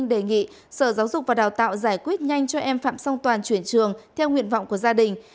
đề nghị sở giáo dục và đào tạo giải quyết nhanh cho em phạm song toàn chuyển trường theo nguyện vọng của gia đình